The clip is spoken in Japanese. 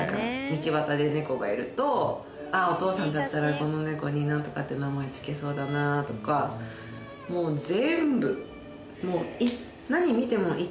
「道端で猫がいると“お父さんだったらこの猫にナントカって名前付けそうだな”とかもう全部」